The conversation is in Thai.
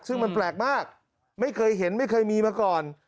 ซึ่งมันแปลกมากไม่เคยเห็นไม่เคยมีมาก่อน